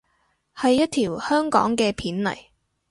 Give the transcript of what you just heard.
係一條香港嘅片嚟